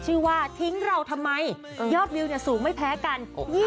ว่าทิ้งเราทำไมยอดวิวสูงไม่แพ้กัน